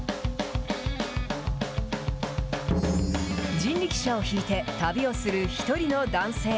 人力車を引いて旅をする１人の男性。